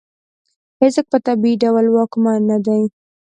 هېڅوک په طبیعي ډول واکمن نه دی.